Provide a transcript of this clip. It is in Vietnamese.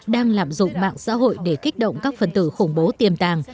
đang lạm dụng mạng xã hội để kích động các phần tử khủng bố tiềm tàng